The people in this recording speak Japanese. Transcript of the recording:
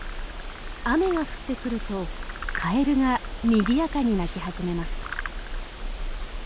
雨が降ってくるとカエルがにぎやかに鳴き始めます。